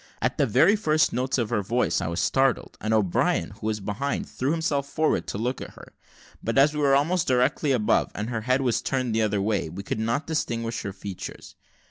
At the very first notes of her voice I was startled, and O'Brien, who was behind, threw himself forward to look at her; but as we were almost directly above, and her head was turned the other way, we could not distinguish her features.